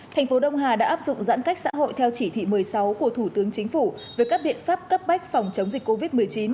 thành phố đông hà đã áp dụng giãn cách xã hội theo chỉ thị một mươi sáu của thủ tướng chính phủ về các biện pháp cấp bách phòng chống dịch covid một mươi chín